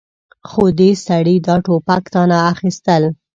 خو دې سړي دا ټوپک تاته اخيستل.